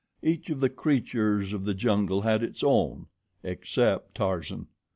Each of the creatures of the jungle had its own except Tarzan.